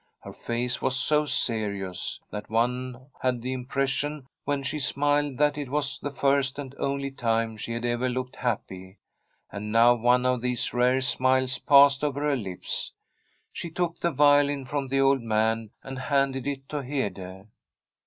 Her face was so serious, that one had the impression when she smiled that it was the first and only time she had ever looked happy; and now one of these rare smiles passed over her lips. She took the violin from the old man and handed it to Hede.